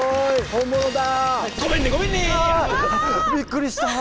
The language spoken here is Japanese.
本物だ。